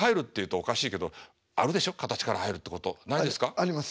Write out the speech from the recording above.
あります。